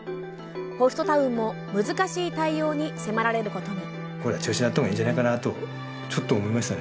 ホストタウンも難しい対応に迫られることに。